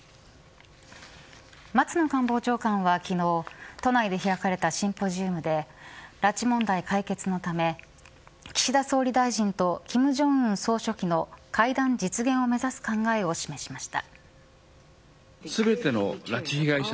松野官房長官は昨日都内で開かれたシンポジウムで拉致問題解決のため岸田総理大臣と金正恩総書記の会談実現を目指す考えを示しました。